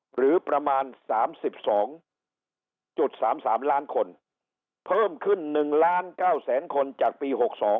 หรือประมาณ๓๒๓๓ล้านคนเพิ่มขึ้น๑ล้าน๙แสนคนจากปี๖๒